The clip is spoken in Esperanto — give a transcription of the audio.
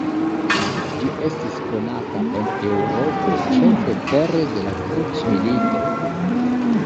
Ĝi estis konata en Eŭropo ĉefe pere de la krucmilitoj.